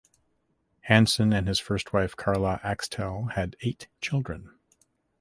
Hansen and his first wife Karla Axtell had eight children.